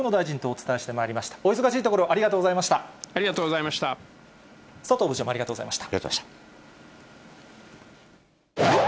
お忙しいところ、ありがとうござありがとうございました。